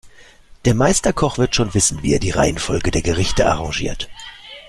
Der Meisterkoch wird schon wissen, wie er die Reihenfolge der Gerichte arrangiert.